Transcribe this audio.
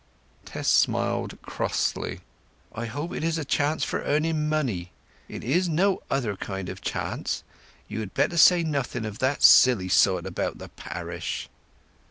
Tess smiled crossly. "I hope it is a chance for earning money. It is no other kind of chance. You had better say nothing of that silly sort about parish."